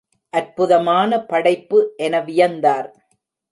அற்புதமான படைப்பு என வியந்தார்.